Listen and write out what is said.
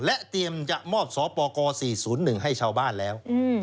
เตรียมจะมอบสปก๔๐๑ให้ชาวบ้านแล้ว